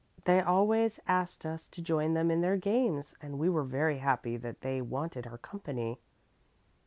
They always asked us to join them in their games and we were very happy that they wanted our company.